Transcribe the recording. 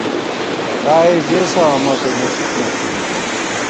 کائےژېسہ اَمہ، پېمېشِک نہ تھنی